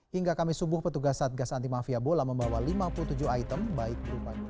hingga kamis subuh petugas satgas anti mafia bola membawa lima puluh tujuh item baik berupa